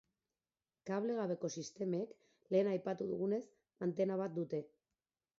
Kable gabeko sistemek, lehen aipatu dugunez, antena bat dute.